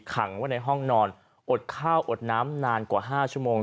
ขังไว้ในห้องนอนอดข้าวอดน้ำนานกว่า๕ชั่วโมง